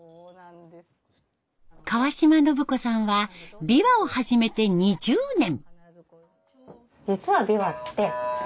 川嶋信子さんは琵琶を始めて２０年。